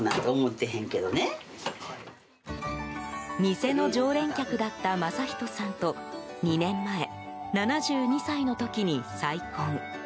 店の常連客だった雅人さんと２年前、７２歳の時に再婚。